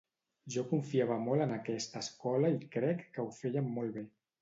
Jo confiava molt en aquesta escola i crec que ho feien molt bé.